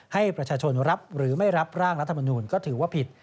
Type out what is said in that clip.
ให้ประชาชนรับหรือไม่รับร่างรัฐมนูลก็ถือว่าผิด